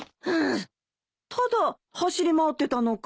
ただ走り回ってたのかい？